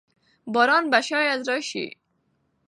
باران به شاید راشي.